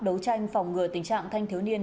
đấu tranh phòng ngừa tình trạng thanh thiếu niên